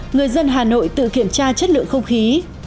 người dân hà nội tự kiểm tra chất lượng không khí